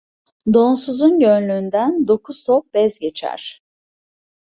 Donsuzun gönlünden dokuz top bez geçer.